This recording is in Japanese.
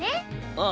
ああ。